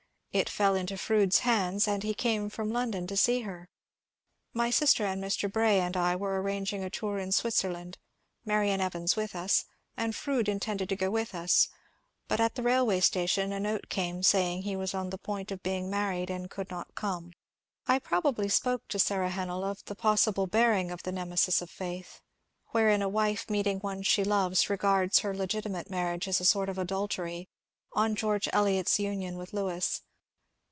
It fell into Fronde's hands and he came from London to see her. My sister and Mr. Bray and I were arranging a tour in Switzerland, Marian Evans with us, and Froude intended to go with us ; but at the railway station a note came saying he was on the point of being married and could not come." I probably spoke to Sara Hennell of the possible bearing of the " Nemesis of Faith "— wherein a wife meeting one she loves regards her legitimate marriage as a sort of adultery — on George Eliot's union with Lewes.